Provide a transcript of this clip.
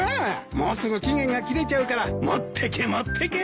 もうすぐ期限が切れちゃうから持ってけ持ってけ。